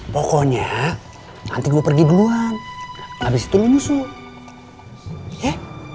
pokoknya nanti gue pergi duluan abis itu lo nyusu ya